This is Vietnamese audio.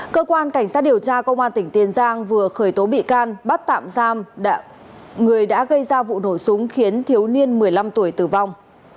cơ quan cảnh sát điều tra công an tỉnh tiền giang vừa khởi tố bị can bắt tạm giam người đã gây ra vụ nổ súng khiến thiếu niên một mươi năm tuổi tử vong